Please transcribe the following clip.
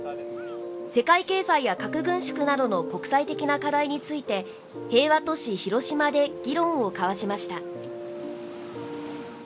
世界経済や核軍縮などの国際的な課題について平和都市・広島で議論を交わしました。